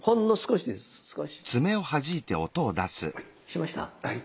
しました？